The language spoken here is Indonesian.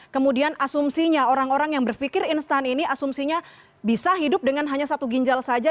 kemudian asumsinya orang orang yang berpikir instan ini asumsinya bisa hidup dengan hanya satu ginjal saja